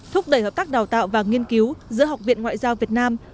thúc đẩy hợp tác đào tạo và nghiên cứu giữa học viện ngoại giao việt nam